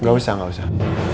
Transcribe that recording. gak usah gak usah